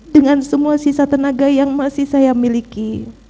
dengan semua sisa tenaga yang masih saya miliki